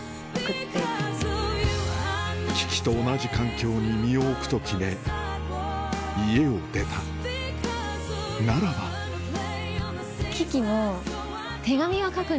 キキと同じ環境に身を置くと決め家を出たならばで。